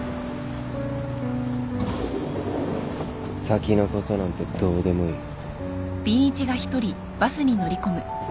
先のことなんてどうでもいい。